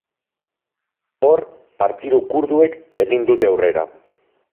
Hor, partidu kurduek egin dute aurrera.